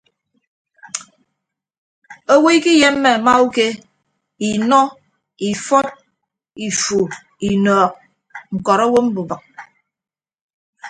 Owo ikiyemme amauke inọ ifọt ifu inọọk ñkọrọ owo mbubịk.